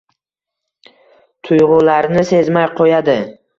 Tuyg`ularini sezmay qo`yadi